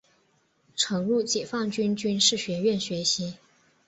曾入解放军军事学院学习。